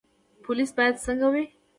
پولیس باید څنګه وي؟